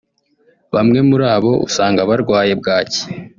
Bamwe muri bo usanga barwaye bwaki